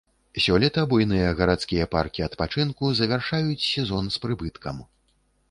Сёлета буйныя гарадскія паркі адпачынку завяршаюць сезон з прыбыткам.